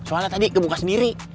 soalnya tadi kebuka sendiri